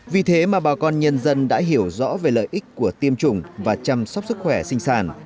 vì thế mà bà con nhân dân đã hiểu rõ về lợi ích của tiêm chủng và chăm sóc sức khỏe sinh sản